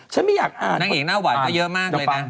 ไม่อยากอ่านนางเอกหน้าหวานก็เยอะมากเลยนะ